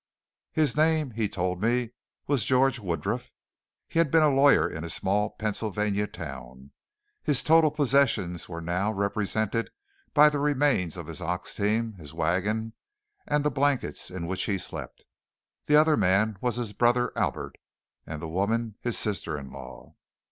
His name, he told me, was George Woodruff; he had been a lawyer in a small Pennsylvania town; his total possessions were now represented by the remains of his ox team, his wagon, and the blankets in which he slept. The other man was his brother Albert, and the woman his sister in law.